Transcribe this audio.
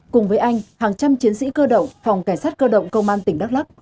cùng với anh hàng trăm chiến sĩ cơ động phòng cảnh sát cơ động công an tỉnh đắk lắc